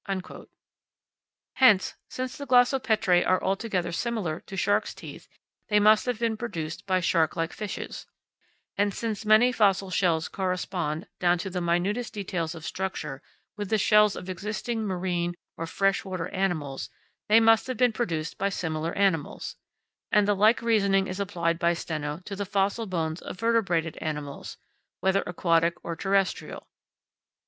Hence, since the glossopetrae are altogether similar to sharks' teeth, they must have been produced by sharklike fishes; and since many fossil shells correspond, down to the minutest details of structure, with the shells of existing marine or freshwater animals, they must have been produced by similar animals; and the like reasoning is applied by Steno to the fossil bones of vertebrated animals, whether aquatic or terrestrial.